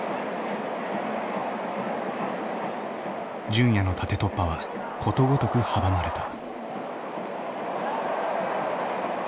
純也の縦突破はことごとく阻まれた。